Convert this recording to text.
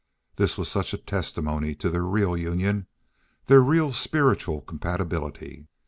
This was such a testimony to their real union—their real spiritual compatibility.